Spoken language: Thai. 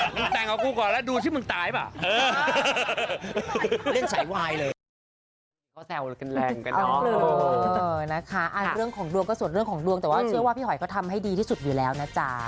มึงแต่งกับกูก่อนแล้วดูชื่อมึงตายเปล่าเล่นสายวายเลย